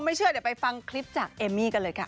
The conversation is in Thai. เชื่อเดี๋ยวไปฟังคลิปจากเอมมี่กันเลยค่ะ